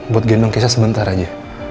buat gendong kisah sebentar aja